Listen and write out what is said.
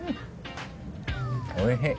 おいしい。